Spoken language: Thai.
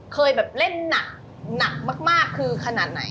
เคยแบบเล่นหนักหนักมากคือขนาดไหน